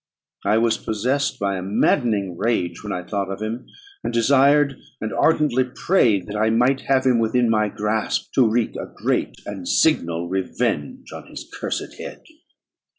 I was possessed by a maddening rage when I thought of him, and desired and ardently prayed that I might have him within my grasp to wreak a great and signal revenge on his cursed head.